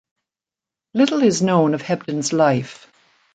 Little is known of Hebden's life.